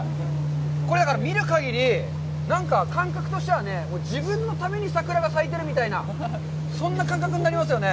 これ、だから、見る限り、なんか感覚としては自分のために桜が咲いているみたいな、そんな感覚になりますよね。